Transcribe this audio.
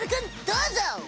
どうぞ！